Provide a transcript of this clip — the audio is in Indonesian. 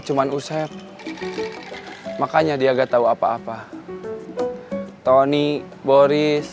cuma bubun yang enggak